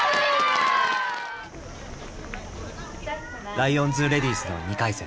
ライオンズ・レディースの２回戦。